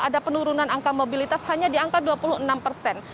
ada penurunan angka mobilitas hanya di angka dua puluh enam persen